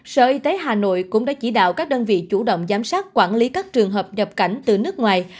sở y tế hà nội cũng đã chỉ đạo các đơn vị chủ động giám sát quản lý các trường hợp nhập cảnh từ nước ngoài